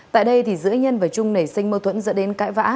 tại đây giữa nhân và trung nảy sinh mâu thuẫn dẫn đến cãi vã